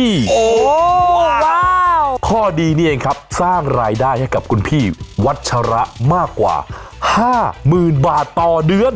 พี่ว้าวข้อดีนี่เองครับสร้างรายได้ให้กับพี่วัดชระมากกว่า๕หมื่นบาทต่อเดือน